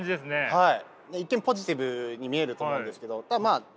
はい。